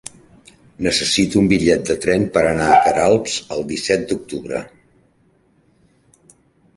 Necessito un bitllet de tren per anar a Queralbs el disset d'octubre.